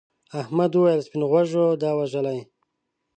احمد وویل سپین غوږو دا وژلي.